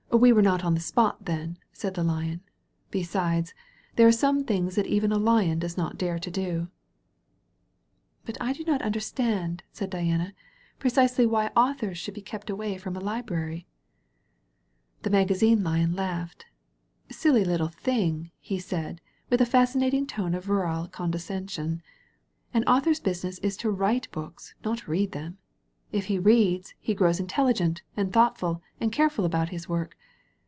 "We were not on the spot, then," said the Lion. "Besides, there are some things that even a Lion does not dare to do." "But I do not understand," said Diana, "pre cisely why authors should be kept away from a library." The Magazine Lion laughed. "Silly Uttle thing!" he said, with a fascinating tone of virile condescension. "An author's business is to write books, not to read them. If he reads, he grows in telligent and thoughtful and careful about his work.